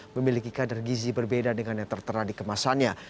memiliki kadar gizi berbeda dengan yang tertera di kemasannya